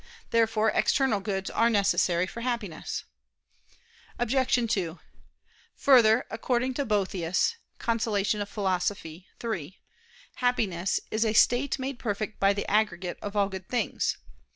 Therefore external goods are necessary for Happiness. Obj. 2: Further, according to Boethius (De Consol. iii): happiness is "a state made perfect by the aggregate of all good things."